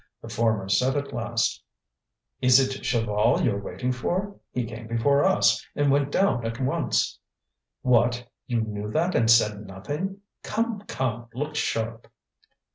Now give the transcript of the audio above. The former said at last: "Is it Chaval you're waiting for? He came before us, and went down at once." "What! you knew that, and said nothing? Come, come, look sharp!"